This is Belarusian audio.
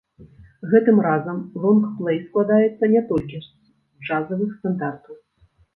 Гэтым разам лонгплэй складаецца не толькі з джазавых стандартаў.